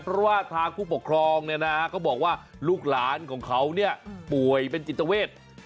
เพราะว่าทางผู้ปกครองก็บอกว่าลูกหลานของเขาป่วยเป็นจิตเจ้าเวทย์